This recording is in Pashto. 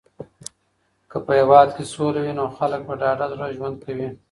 که په هېواد کې سوله وي نو خلک په ډاډه زړه ژوند کوي.